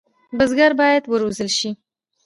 بزګران باید وروزل شي.